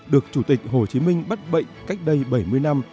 được chủ tịch hồ chí minh bắt bệnh cách đây bảy mươi năm